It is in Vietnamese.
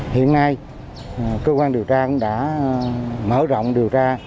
hiện nay cơ quan điều tra cũng đã mở rộng điều tra